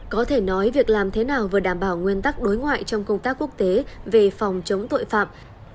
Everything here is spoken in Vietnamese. có thể nói việc làm thế nào vừa đảm bảo nguyên tắc đối ngoại trong công tác quốc tế về phòng chống tội phạm